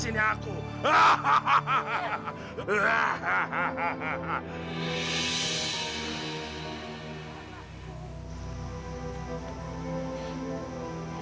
sehingga kita akan dua orang